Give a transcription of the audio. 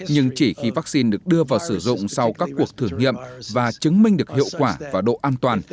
nhưng chỉ khi vaccine được đưa vào sử dụng sau các cuộc thử nghiệm và chứng minh được hiệu quả và độ an toàn